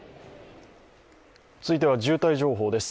続いては渋滞情報です。